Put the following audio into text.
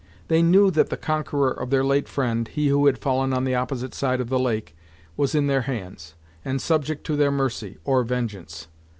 They knew that the conqueror of their late friend, he who had fallen on the opposite side of the lake, was in their hands, and subject to their mercy, or vengeance.